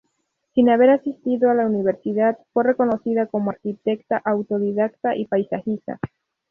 Sin haber asistido a la universidad, fue reconocida como arquitecta autodidacta y paisajista.